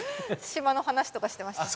島の話とかしてました。